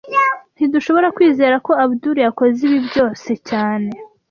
Ntidushobora kwizera ko Abdul yakoze ibi byose cyane